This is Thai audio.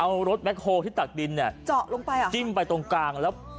เอารถแคคโฮลที่ตักดินเนี่ยเจาะลงไปอ่ะจิ้มไปตรงกลางแล้ว